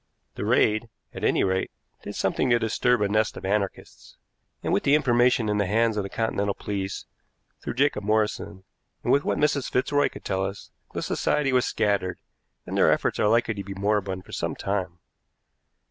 The raid, at any rate, did something to disturb a nest of anarchists, and, with the information in the hands of the Continental police through Jacob Morrison, and with what Mrs. Fitzroy could tell us, the society was scattered, and their efforts are likely to be moribund for some time.